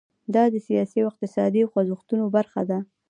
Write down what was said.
دا د سیاسي او اقتصادي خوځښتونو برخه ده.